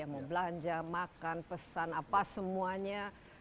mau belanja makan pesan apa semuanya